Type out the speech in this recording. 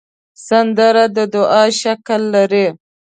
سندره د دعا شکل لري